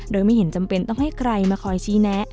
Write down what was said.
โดยไม่เห็นจำเป็นต้องให้ใครมาคอยชี้แนะ